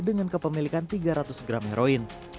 dengan kepemilikan tiga ratus gram heroin